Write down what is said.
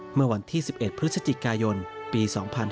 เมื่อวันที่๑๑พฤศจิกายนปี๒๕๕๙